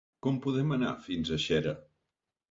Com podem anar fins a Xera?